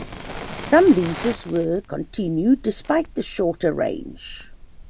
Some leases were continued despite the shorter range.